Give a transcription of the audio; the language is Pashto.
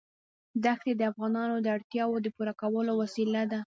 دښتې د افغانانو د اړتیاوو د پوره کولو وسیله ده.